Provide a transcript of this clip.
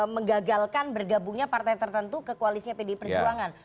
menggagalkan bergabungnya partai tertentu ke koalisnya pdi perjuangan